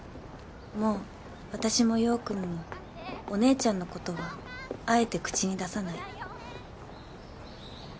もう私も陽君もお姉ちゃんのことはあえて口に出さない